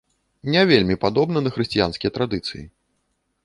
Не вельмі падобна на хрысціянскія традыцыі.